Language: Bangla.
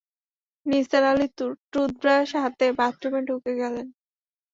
নিসার আলি টুথব্রাশ হাতে বাথরুমে ঢুকে গেলেন।